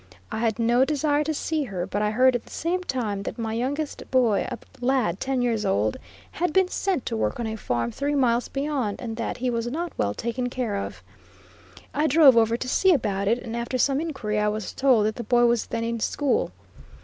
I had no desire to see her, but I heard at the same time that my youngest boy, a lad ten years old, had been sent to work on a farm three miles beyond, and that he was not well taken care of. I drove over to see about it, and after some inquiry I was told that the boy was then in school.